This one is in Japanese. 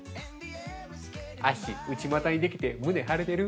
足、内股にできて、胸張れてる？